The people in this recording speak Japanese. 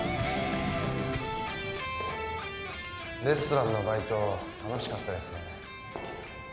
レストランのバイト楽しかったですね。